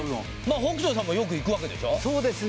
北斗さんもよく行くわけでしょそうですね